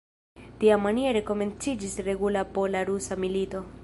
Tiamaniere komenciĝis regula pola-rusa milito.